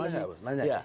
boleh nanya pak